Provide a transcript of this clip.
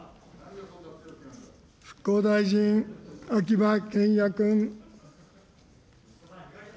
復興大臣、秋葉賢也君。